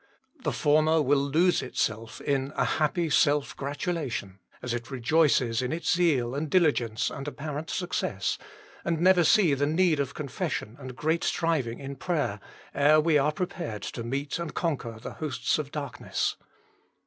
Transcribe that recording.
The former will lose itself in a happy self gratulation, as it rejoices in its zeal and diligence and apparent success, and never see the need of confession and great striving in prayer, ere we are prepared to meet and conquer the hosts of darkness.